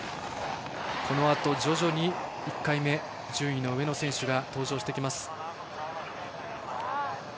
このあと徐々に１回目順位の上の選手が登場してきます。